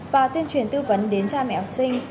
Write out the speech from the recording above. và tuyên truyền tư vấn đến cha mẹ học sinh